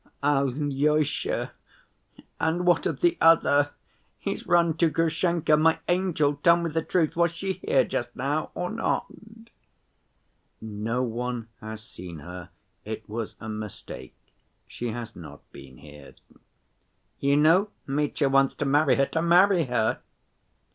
"Alyosha, and what of the other? He's run to Grushenka. My angel, tell me the truth, was she here just now or not?" "No one has seen her. It was a mistake. She has not been here." "You know Mitya wants to marry her, to marry her."